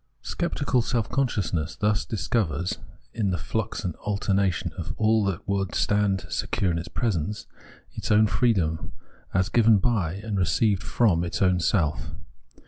Sceptical self consciousness thus discovers, in the flux and alternation of all that would stand secure in its presence, its own freedom, as given by and received from its own self.